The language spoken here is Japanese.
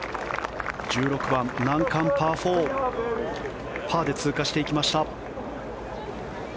１６番、難関パー４パーで通過していきました。